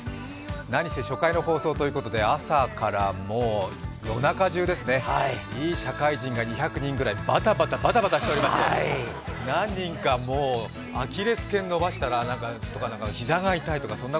何せ初回の放送ということで朝から夜中じゅういい社会人が２００人ぐらいバタバタ、バタバタしておりまして何人かもう、アキレスけん伸ばしたら膝が痛いとか。